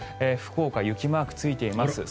福岡、雪マークがついています。